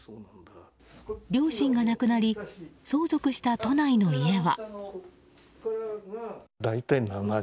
両親が亡くなり相続した都内の家は。